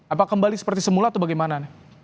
apa kembali seperti semula atau bagaimana